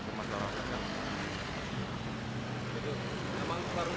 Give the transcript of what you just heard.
rentan sih karena langsung